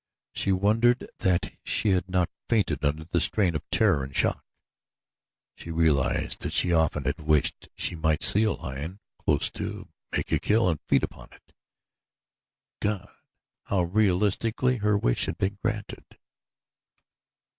She wondered that she had not fainted under the strain of terror and shock. She recalled that she often had wished she might see a lion, close to, make a kill and feed upon it. God! how realistically her wish had been granted.